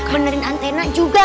benerin antena juga